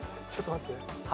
ちょっと待って。